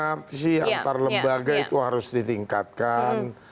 koordinasi antar lembaga itu harus ditingkatkan